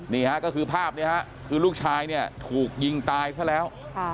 นี่ฮะก็คือภาพนี้ฮะคือลูกชายเนี่ยถูกยิงตายซะแล้ว